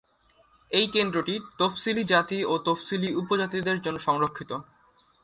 এই কেন্দ্রটি তফসিলি জাতি ও তফসিলী উপজাতিদের জন্য সংরক্ষিত।